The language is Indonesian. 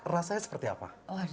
rasanya seperti apa